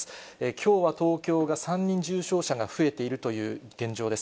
きょうは東京が３人重症者が増えているという現状です。